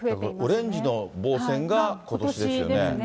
オレンジの棒線がことしですよね。